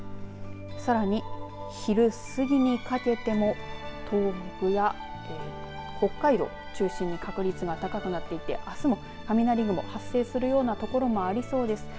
さらに昼過ぎにかけても東北や北海道中心に確率が高くなっていて、あすも雷雲、発生するような所もありそうです。